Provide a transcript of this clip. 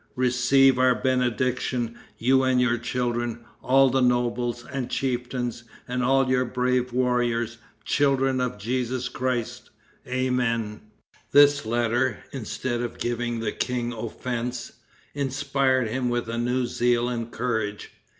Receive our benediction, you and your children, all the nobles and chieftains, and all your brave warriors, children of Jesus Christ. Amen." [Footnote 5: Proverbs of Solomon, ix. 9.] This letter, instead of giving the king offense, inspired him with new zeal and courage.